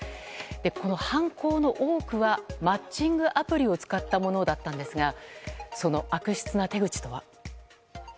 この犯行の多くはマッチングアプリを使ったものだったんですがその悪質な手口とは。